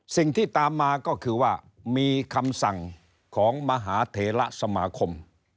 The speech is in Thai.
สิ่งที่ตามมาก็คือว่ามีคำสั่งของมหาเถระสมาคม